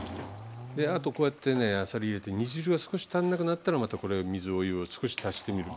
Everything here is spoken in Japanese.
であとこうやってねあさり入れて煮汁が少し足んなくなったらまたこれ水お湯を少し足してみる。